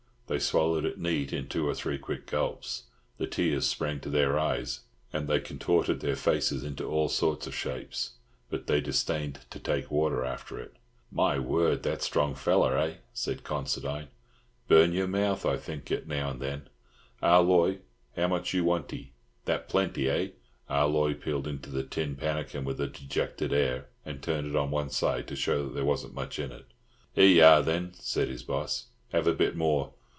They swallowed it neat, in two or three quick gulps. The tears sprang to their eyes, and they contorted their faces into all sorts of shapes; but they disdained to take water after it. "My word, that strong feller, eh?" said Considine. "Burn your mouth, I think it. Now then, Ah Loy, how much you wantee? That plenty, eh?" Ah Loy peered into the tin pannikin with a dejected air, and turned it on one side to show that there wasn't much in it. "Here y'are, then," said his boss. "Have a bit more.